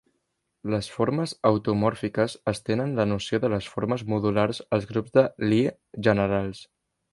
Les formes automòrfiques estenen la noció de les formes modulars als grups de Lie generals.